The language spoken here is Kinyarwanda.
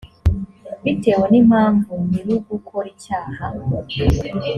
bitewe n impamvu nyir ugukora icyaha